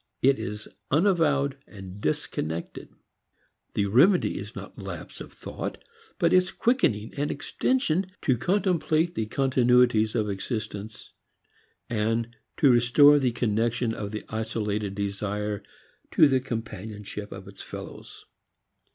It is unavowed and disconnected. The remedy is not lapse of thought, but its quickening and extension to contemplate the continuities of existence, and restore the connection of the isolated desire to the companionship of its fellows.